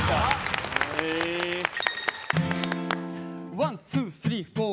ワンツースリーフォー！